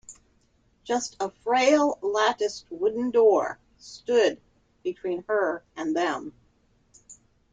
Just a frail latticed wooden door stood between her and them.